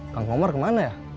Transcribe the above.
kang omar kemana ya